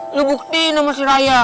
lu bukti namanya si raya